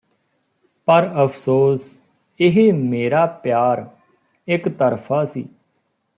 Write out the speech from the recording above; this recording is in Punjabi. ਪਰ ਅਫਸੋਸ ਇਹ ਮੇਰਾ ਪਿਆਰ ਇਕਤਰਫਾ ਸੀ